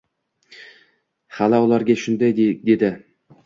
Xala ularga shunday dedi